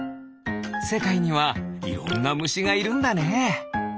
せかいにはいろんなむしがいるんだね。